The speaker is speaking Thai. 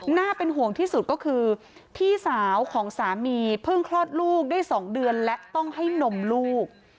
น่าเป็นห่วงที่สุดก็คือพี่สาวของสามีเพิ่งคลอดลูกได้๒เดือนและต้องให้นมลูก